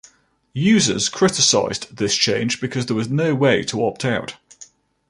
Users criticized this change because there was no way to opt out.